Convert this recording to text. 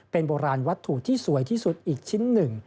เป็นโบราณวัตถุที่สวยที่สุดอีกชิ้นหนึ่ง